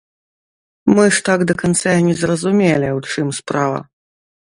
Мы ж так да канца і не зразумелі, у чым справа.